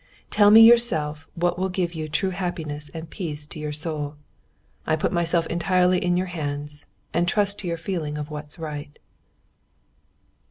Tell me yourself what will give you true happiness and peace to your soul. I put myself entirely in your hands, and trust to your feeling of what's right."